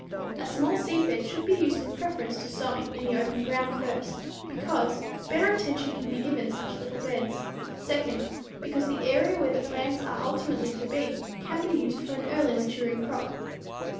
A small seedbed should be used in preference to sowing in the open ground first, because better attention can be given such little beds; second, because the area where the plants are ultimately to be can be used for an early maturing crop.